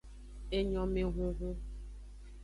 Enyomehunhun.